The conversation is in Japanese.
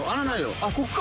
あっここか。